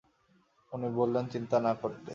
উনি বললেন চিন্তা না করতে।